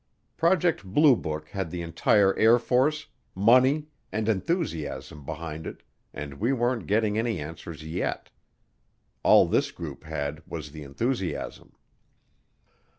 Project Blue Book had the entire Air Force, money, and enthusiasm behind it and we weren't getting any answers yet. All this group had was the enthusiasm.